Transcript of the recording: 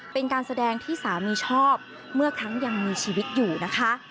เป็นการแสดงที่สามีชอบเมื่อครั้งยังมีชีวิตอยู่นะคะ